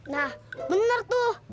nah bener tuh